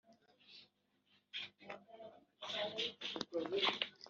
inkiza ababisha banjye ni koko unshyira hejuru